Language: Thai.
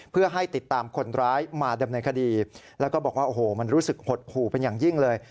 เพื่อให้ติดตามคนร้ายมาดำเนินคดีแล้วก็บอกว่าโอ้โหมันรู้สึกหดหู่เป็นอย่างยิ่งเลย